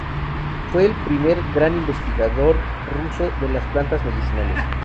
Fue el primer gran investigador ruso de las plantas medicinales.